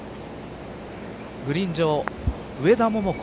グリーン上上田桃子